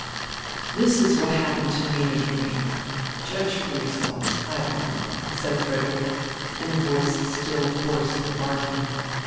"This is what happened to me in a dream. Judge for yourselves. I don't know," said Frederick, in a voice still hoarse and barking.